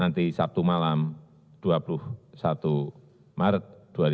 nanti sabtu malam dua puluh satu maret dua ribu dua puluh